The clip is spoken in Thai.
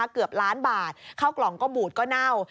เกือบล้านบาทเข้ากล่องก็บูดก็เน่า